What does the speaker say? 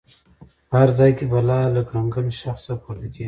په هر ځای کې بلا له ګړنګن شخص څخه پورته کېږي.